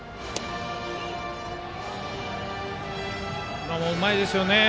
今もうまいですよね。